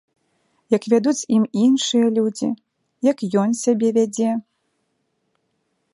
Як вядуць з ім іншыя людзі, як ён сябе вядзе.